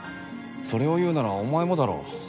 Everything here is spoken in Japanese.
それを言うならお前もだろ。